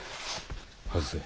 外せ。